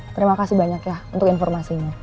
terima kasih banyak ya untuk informasinya